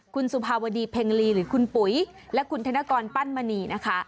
คุณสุภาวดีเพ็งลีหรือคุณปุ๋ยและคุณธนกรปั้นมณีนะคะ